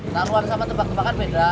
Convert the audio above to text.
tangwar sama tebak tebakan beda